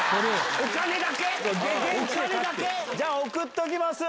じゃあ送っときます。